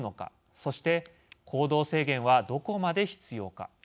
そして行動制限はどこまで必要か。